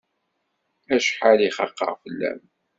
Acḥal i xaqeɣ fell-am!